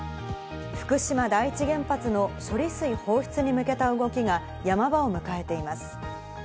福島第一原発の処理水放出に向けた動きが、山場を迎えています。